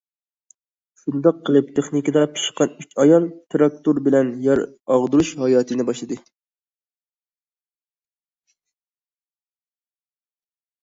شۇنداق قىلىپ، تېخنىكىدا پىشقان ئۈچ ئايال تىراكتور بىلەن يەر ئاغدۇرۇش ھاياتىنى باشلىدى.